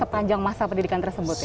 sepanjang masa pendidikan tersebut ya